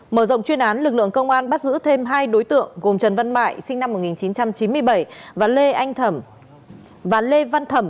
mở rộng chuyên án lực lượng công an bắt giữ thêm hai đối tượng gồm trần văn mại sinh năm một nghìn chín trăm chín mươi bảy và lê văn thẩm